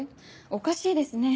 おかしいですね？